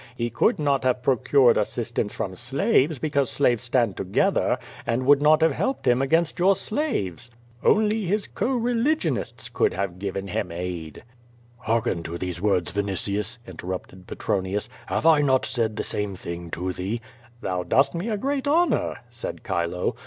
He could not have pro cured assistance from slaves because slaves stand together, and would not have helped him against your slaves. Only his co religionists could have given him aid." 112 QVO VADI8, "Harken to these words, Vinitius/' interrupted Petronius. "Have I not said the same thing to thee?'^ "Thou dost me a great honor/^ said Chilo.